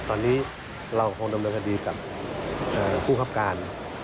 ตอนนี้เราคงดำเนินคดีกับผู้คับการ